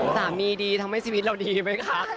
สามีดีทำให้ชีวิตเราดีไหมคะ